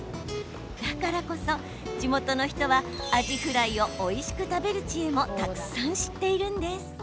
だからこそ、地元の人はアジフライをおいしく食べる知恵もたくさん知っているんです。